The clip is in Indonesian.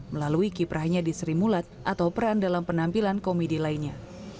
melalui kiprahnya di sri mulat atau peran dalam penampilan komedi lainnya